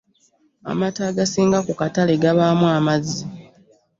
Amata agasinga ku katale gabaamu amazzi.